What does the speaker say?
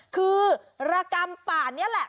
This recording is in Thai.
คือระกำป่านี่แหละ